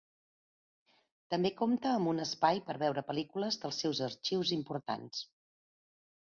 També compta amb un espai per veure pel·lícules dels seus arxius importants.